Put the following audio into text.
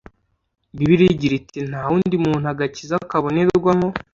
Bibiliya igira iti nta wundi muntu agakiza kabonerwamo